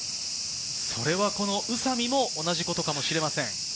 それは宇佐美も同じことかもしれません。